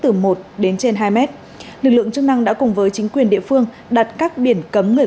từ một đến trên hai mét lực lượng chức năng đã cùng với chính quyền địa phương đặt các biển cấm người